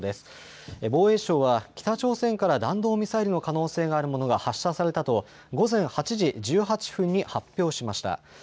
防衛省は北朝鮮から弾道ミサイルの可能性があるものが発射されたと午前８時１８分に発表しました。